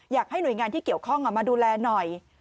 อยากให้หน่วยงานที่เกี่ยวข้องมาดูแลหน่อย